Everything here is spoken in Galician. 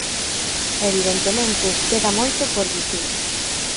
Evidentemente, queda moito por dicir.